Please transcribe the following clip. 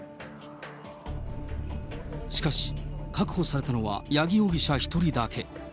しかし、確保されたのは八木容疑者１人だけ。